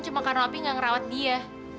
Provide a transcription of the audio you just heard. cuma karena api gak ngerawat dia